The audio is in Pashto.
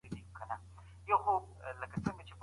ژوند باید په منظمه توګه تیر سي.